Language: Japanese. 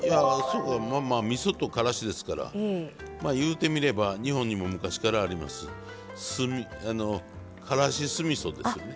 まあまあみそとからしですからまあいうてみれば日本にも昔からありますからし酢みそですよね。